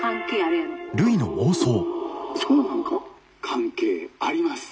「関係あります」。